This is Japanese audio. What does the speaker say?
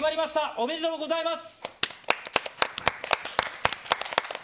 おめでとうございます。